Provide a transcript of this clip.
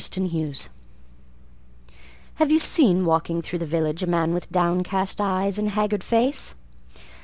Ollie McGee Have you seen walking through the village A man with downcast eyes and haggard face?